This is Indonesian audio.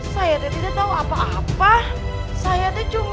saya itu tidak tahu apa apa